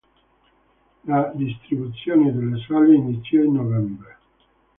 La distribuzione nelle sale iniziò in novembre.